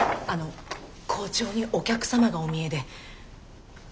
あの校長にお客様がお見えで。